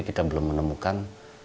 kita belum menemukan